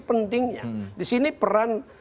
pentingnya disini peran